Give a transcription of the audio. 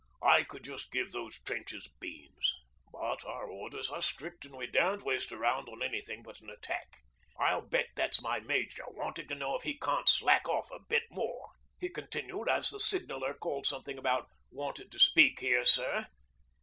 'I could just give those trenches beans. But our orders are strict, and we daren't waste a round on anything but an attack. I'll bet that's my Major wanting to know if he can't slack off a bit more,' he continued, as the signaller called something about 'Wanted to speak here, sir.'